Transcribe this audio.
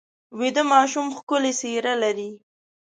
ویده ماشوم ښکلې څېره لري